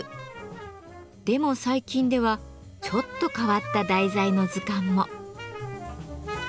でも最近ではちょっと変わった題材の図鑑も。